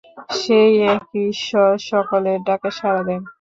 সেই একই ঈশ্বর সকলের ডাকে সারা দেন।